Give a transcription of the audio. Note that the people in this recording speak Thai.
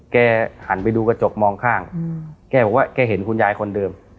แกหันไปดูกระจกมองข้างแกบอกว่าแกเห็นคุณยายคนเดิม